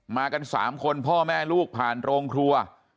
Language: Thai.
มากัน๓คนพ่อแม่ลูกผ่านโรงครัว